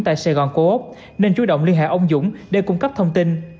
tại sài gòn cô ấp nên chú động liên hệ ông dũng để cung cấp thông tin